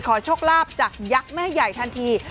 โชคลาภจากยักษ์แม่ใหญ่ทันที